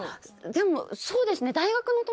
でもそうですね。